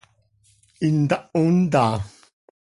¿Intaho ntá?